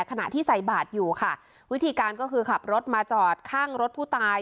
ขณะที่ใส่บาทอยู่ค่ะวิธีการก็คือขับรถมาจอดข้างรถผู้ตาย